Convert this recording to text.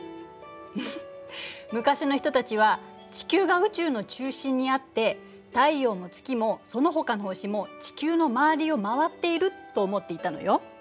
フフッ昔の人たちは地球が宇宙の中心にあって太陽も月もそのほかの星も地球の周りを回っていると思っていたのよ。